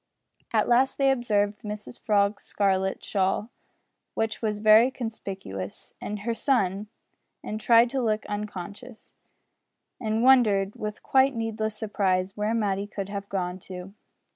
At last they observed Mrs Frog's scarlet shawl which was very conspicuous and her son, and tried to look unconscious, and wondered with quite needless surprise where Matty could have gone to.